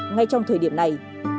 ngay trong thời điểm này